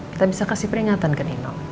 kita bisa kasih peringatan ke nino